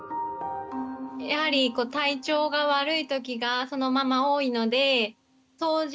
やはり体調が悪い時がそのママ多いので掃除